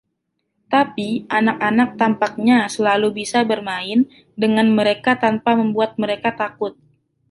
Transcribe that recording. Tapi anak-anak tampaknya selalu bisa bermain dengan mereka tanpa membuat mereka takut.